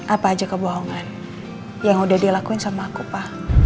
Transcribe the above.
apa aja kebohongan yang udah dia lakuin sama aku pak